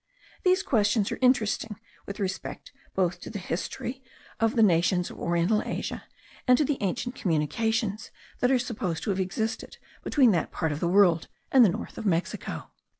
These questions are interesting with respect both to the history of the nations of oriental Asia, and to the ancient communications that are supposed to have existed between that part of the world and the north of Mexico.